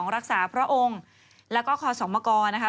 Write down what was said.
รักษาพระองค์แล้วก็คสมกรนะคะ